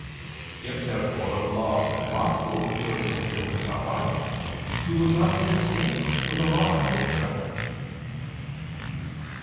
If therefore the law of the Gospel were instilled in our hearts, it would not be distinct from the law of nature.